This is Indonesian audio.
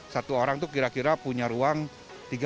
satu orang itu kira kira punya ruang tiga